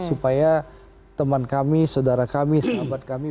supaya teman kami saudara kami sahabat kami